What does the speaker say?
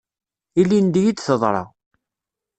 Ilindi i d-teḍra.